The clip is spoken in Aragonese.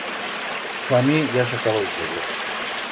Pa mi ya s'ha acabau todo.